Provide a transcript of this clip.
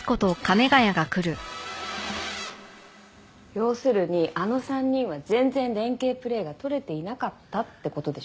要するにあの３人は全然連係プレーがとれていなかったって事でしょ？